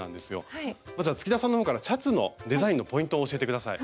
まずは月田さんの方からシャツのデザインのポイントを教えて下さい。